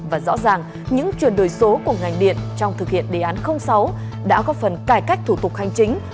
và rõ ràng những chuyển đổi số của ngành điện trong thực hiện đề án sáu đã có phần cải cách thủ tục hành chính